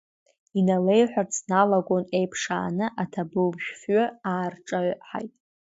Иналеиҳәарц дналагон еиԥшааны аҭабылфҩы аарҿаҳаит.